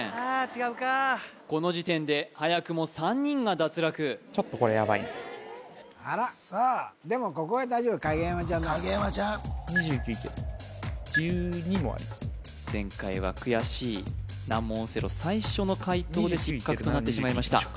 違うかこの時点で早くも３人が脱落ちょっとあらでもここは大丈夫影山ちゃんだから影山ちゃん前回は悔しい難問オセロ最初の解答で失格となってしまいました